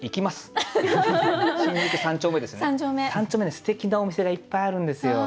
すてきなお店がいっぱいあるんですよ。